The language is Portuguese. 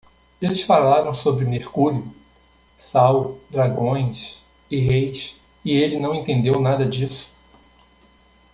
Eles falaram sobre mercúrio? sal? dragões? e reis? e ele não entendeu nada disso.